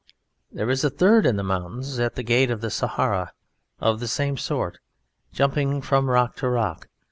There is a third in the mountains at the gate of the Sahara, of the same sort, jumping from rock to rock.